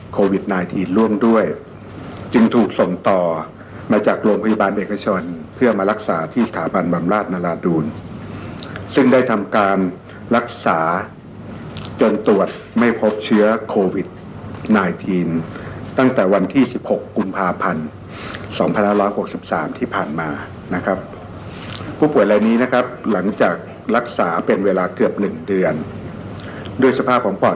โควิดไนทีนร่วมด้วยจึงถูกส่งต่อมาจากโรงพยาบาลเอกชนเพื่อมารักษาที่สถาบันบำราชนราดูนซึ่งได้ทำการรักษาจนตรวจไม่พบเชื้อโควิดไนทีนตั้งแต่วันที่สิบหกกุมภาพันธ์สองพันห้าร้อยหกสิบสามที่ผ่านมานะครับผู้ป่วยลายนี้นะครับหลังจากรักษาเป็นเวลาเกือบหนึ่งเดือนด้วยสภ